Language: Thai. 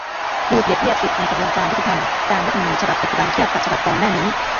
ดูเปรียบเทียบ สิทธิในกระบวนการยุติธรรม ตาม รัฐธรรมนูญ ฉบับปัจจุบัน เทียบกับฉบับก่อนหน้านี้